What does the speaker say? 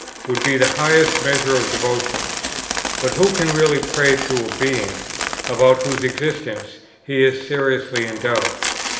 would be the highest measure of devotion: but who can really pray to a Being, about whose existence he is seriously in doubt?